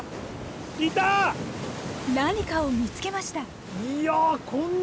何かを見つけました。